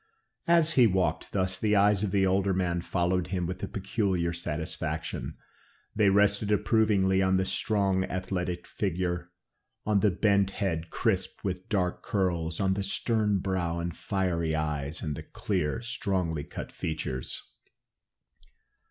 As he walked thus, the eyes of the older man followed him with a peculiar satisfaction. They rested approvingly on the strong athletic figure, on the bent head crisped with dark curls, on the stern brow and fiery eyes, and the clear, strongly cut features.